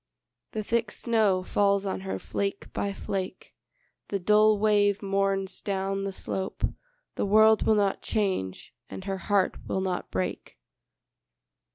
The thick snow falls on her flake by flake, The dull wave mourns down the slope, The world will not change, and her heart will not break.